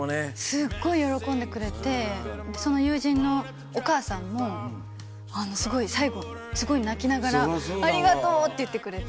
すっごい喜んでくれて、その友人のお母さんも、すごい、最後、すごい泣きながら、ありがとうって言ってくれて。